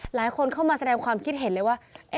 หลายคนเข้ามาแสดงความคิดเห็นเลยว่า